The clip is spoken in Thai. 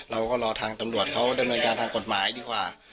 เราก็รอทางตำรวจเขาดำเนินการทางกฎหมายดีกว่า